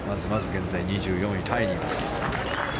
現在、２４位タイにいます。